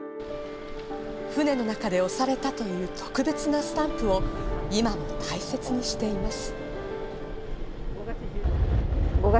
船の中で押されたという特別なスタンプを今も大切にしています。